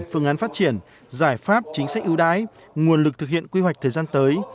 phương án phát triển giải pháp chính sách ưu đái nguồn lực thực hiện quy hoạch thời gian tới